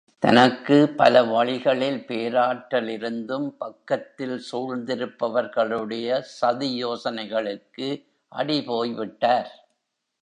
தனக்கு பல வழிகளில் போராற்றலிருந்தும் பக்கத் தில் சூழ்ந்திருப்பவர்களுடைய சதியோசனைகளுக்கு அடிபோய் விட்டார்.